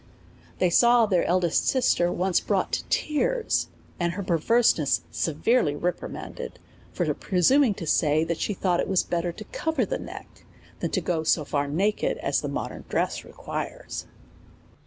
They saw their eldest sister once brouglit to her tears, and her perveyseness severely reprimanded, for presuming to say, that she thought it was better to cover the neck, than to go so far naked as the modern dress requires.